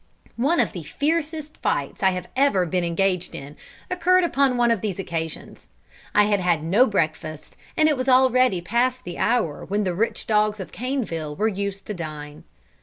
One of the fiercest fights I have ever been engaged in occurred upon one of these occasions. I had had no breakfast, and it was already past the hour when the rich dogs of Caneville were used to dine.